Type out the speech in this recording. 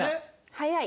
早い。